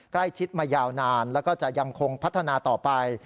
ใกล้ชิดมายาวนานแล้วก็จะยังคงพัฒนาต่อไป